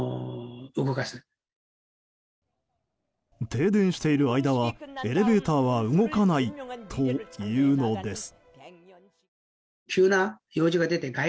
停電している間はエレベーターは動かないというのです。